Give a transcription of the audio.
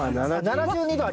７２度！